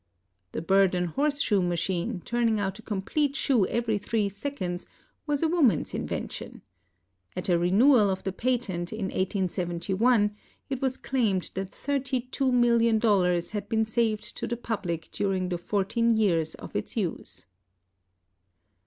The Burden horse shoe machine, turning out a complete shoe every three seconds, was a woman's invention. At a renewal of the patent, in 1871, it was claimed that thirty two million dollars had been saved to the public during the fourteen years of its use.